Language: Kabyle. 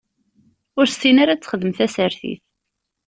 Ur tessin ara ad texdem tasertit.